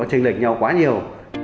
đừng có tranh lệch nhau quá nhiều